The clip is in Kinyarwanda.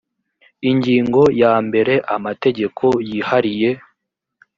ingingo ya mbere amategeko yihariye